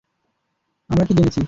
আমরা কী জেনেছি?